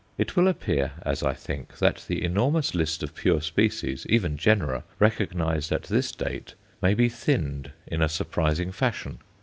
It will appear, as I think, that the enormous list of pure species even genera recognized at this date may be thinned in a surprising fashion.